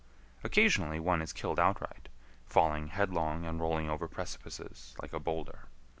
Occasionally one is killed outright—falling headlong and rolling over precipices like a boulder.